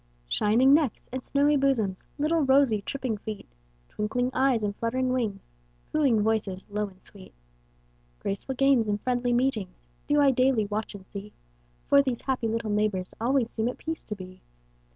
Shining necks and snowy bosoms, Little rosy, tripping feet, Twinkling eyes and fluttering wings, Cooing voices, low and sweet, Graceful games and friendly meetings, Do I daily watch and see. For these happy little neighbors Always seem at peace to be.